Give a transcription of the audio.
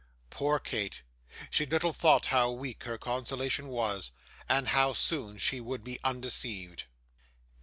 Poor Kate! she little thought how weak her consolation was, and how soon she would be undeceived.